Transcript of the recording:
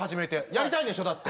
やりたいんでしょ？だって。